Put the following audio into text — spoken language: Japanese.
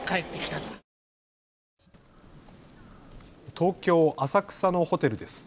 東京浅草のホテルです。